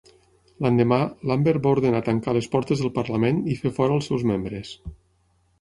L'endemà, Lambert va ordenar tancar les portes del Parlament i fer fora els seus membres.